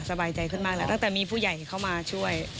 สบายใจขึ้นมากแล้วตั้งแต่มีผู้ใหญ่เข้ามาช่วย